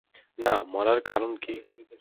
না, মরার কারণটা কী?